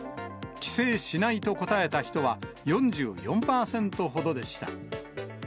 帰省しないと答えた人は４４％ほどでした。